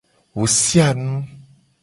Wo sia nu.